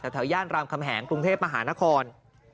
แถวย่านรามคำแหงกรุงเทพมหานคร